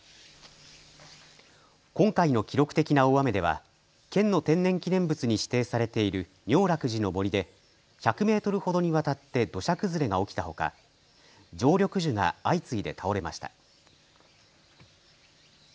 今回の記録的な大雨では県の天然記念物に指定されている妙楽寺の森で１００メートルほどにわたって土砂崩れが起きたほか常緑樹が相次いで倒れました。